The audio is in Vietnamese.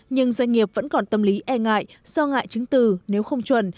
nhưng doanh nghiệp vẫn còn tâm lý e ngại do ngại chứng từ nếu không chuẩn